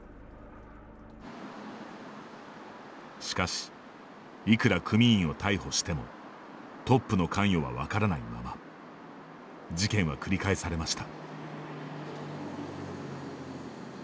しかし、いくら組員を逮捕してもトップの関与は分からないまま事件は繰り返されました。